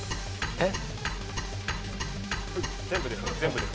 えっ？